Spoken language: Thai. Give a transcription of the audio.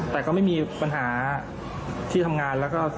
แต่ก็ไม่มีปัญหาที่ทำงานแล้วก็